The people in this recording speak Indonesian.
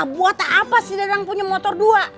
buat apa sih dadang punya motor dua